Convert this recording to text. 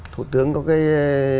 thủ tướng có cái